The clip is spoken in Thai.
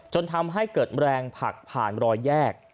จนทำให้เกิดแรงผลักผ่านรอยแยก